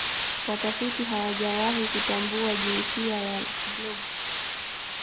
watafiti hawajawahi kutambua jinsia ya blob